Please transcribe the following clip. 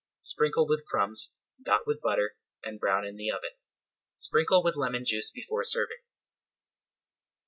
Sprinkle with crumbs, dot with butter, and brown in the oven. Sprinkle with lemon juice before serving.